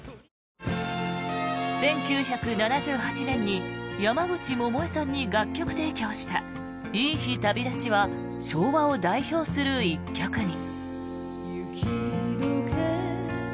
１９７８年に山口百恵さんに楽曲提供した「いい日旅立ち」は昭和を代表する１曲に。